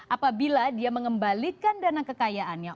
apabila dia mengembalikan dana kekayaannya